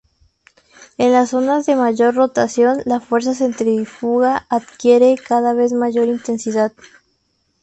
En las zonas de mayor rotación la fuerza centrífuga adquiere cada vez mayor intensidad.